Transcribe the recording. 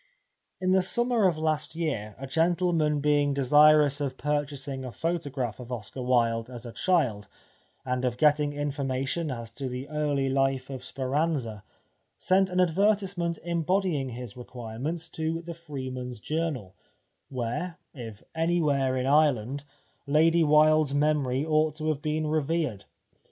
In the summer of last year a gentleman being desirous of purchasing a photo graph of Oscar Wilde as a child, and of getting information as to the early life of Speranza, sent an advertisement embodying his requirements to The Freeman's Journal, where, if anywhere in Ireland, Lady Wilde's memory ought to have been revered.